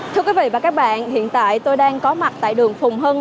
thưa quý vị và các bạn hiện tại tôi đang có mặt tại đường phùng hưng